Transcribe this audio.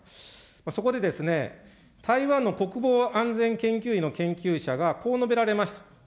そこで台湾の国防安全研究委の研究者が、こう述べられました。